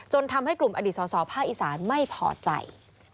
ทำให้กลุ่มอดีตสอภาคอีสานไม่พอใจ